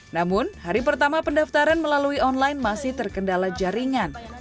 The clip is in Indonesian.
namun hari pertama pendaftaran melalui online masih terkendala jaringan